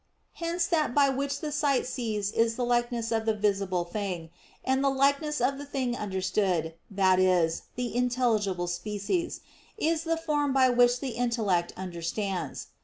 Hence that by which the sight sees is the likeness of the visible thing; and the likeness of the thing understood, that is, the intelligible species, is the form by which the intellect understands.